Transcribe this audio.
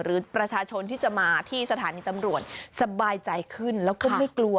หรือประชาชนที่จะมาที่สถานีตำรวจสบายใจขึ้นแล้วก็ไม่กลัว